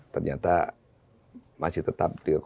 ternyata masih tetap tiga dua